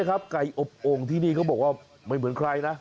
ไก่อบโอ่งที่นี่เขาบอกว่าไม่เหมือนใครนะ